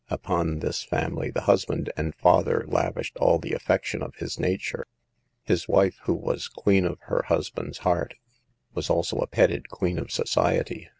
Upon this family the hus band and father lavished all the affection of his nature. His wife, who was queen of her hus band's heart, was also a petted queen of society.